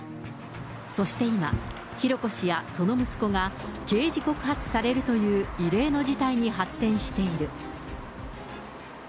そして今、浩子氏やその息子が、刑事告発されるという異例の事態に発展している。